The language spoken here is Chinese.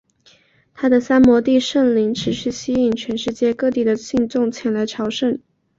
他的三摩地圣陵持续吸引全世界各地的信众前来朝圣。